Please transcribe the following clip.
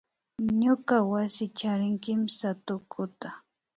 Ñuka wasi charin kimsa tukuta